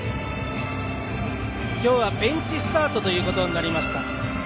今日はベンチスタートとなりました。